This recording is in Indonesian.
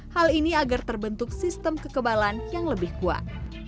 hal ini agar terbentuk sistem kekebalan yang lebih kuat